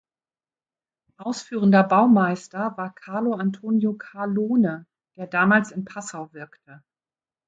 Ausführender Baumeister war Carlo Antonio Carlone, der damals in Passau wirkte.